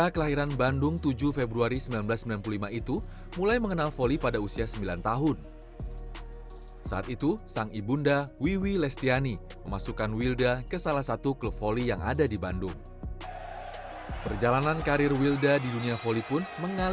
kalau aku itu benar benar enggak yang ambisius banget